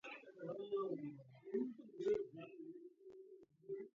კომპლექსს გააჩნია საკუთარი ხელოვნების ცენტრი, მედია ცენტრი, ეკლესია და სპორტული კომპლექსი.